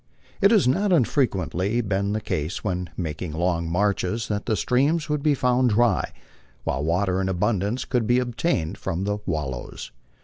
' It has not unfrequently been the case when making long marches that the streams would be found dry, while water in abundance could be obtained from the *' wallows.